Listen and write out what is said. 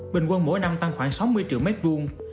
bình quân mỗi năm tăng khoảng sáu mươi triệu mét vuông